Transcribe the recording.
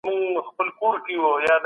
ممکن سبا د باران اورښت پیل سي.